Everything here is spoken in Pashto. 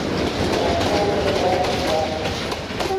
کتابچه مې ډکه کړه.